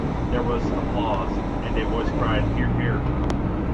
There was applause, and a voice cried: "Hear, hear!"